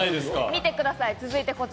見てください。